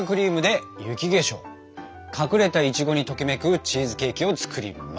隠れたいちごにときめくチーズケーキを作ります。